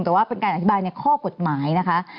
แต่ว่าเป็นการอธิบายในข้อกฎหมายนะคะ